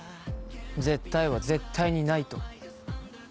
「絶対」は絶対にないと。